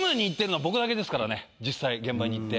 実際現場に行って。